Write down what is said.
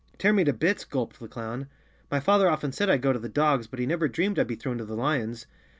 "Tear me to bits!" gulped the clown. "My father often said I'd go to the dogs, but he never dreamed I'd be thrown to the lions.